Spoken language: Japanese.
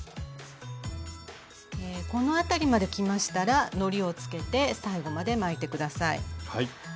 この辺りまできましたらのりをつけて最後まで巻いて下さい。